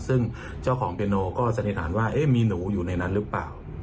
ซึ่งเจ้าของเปียโนก็สันนิษฐานว่ามีหนูอยู่ในนั้นหรือเปล่า